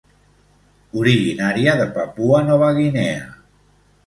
Originària de Papua Nova Guinea.